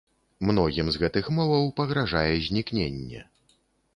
Многім з гэтых моваў пагражае знікненне.